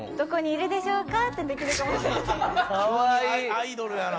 急にアイドルやな。